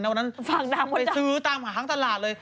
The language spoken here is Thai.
แล้ววันนั้นไปซื้อตามหาข้างตลาดเลย